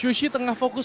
sushi tengah fokus